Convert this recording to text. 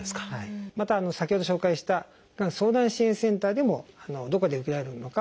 また先ほど紹介したがん相談支援センターでもどこで受けられるのかを教えてくれると思いますね。